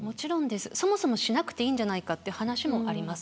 そもそもしなくていいんじゃないかという話もあります。